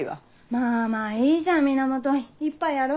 まぁまぁいいじゃん源一杯やろ。